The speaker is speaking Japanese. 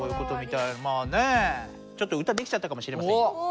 まあねちょっと歌できちゃったかもしれません。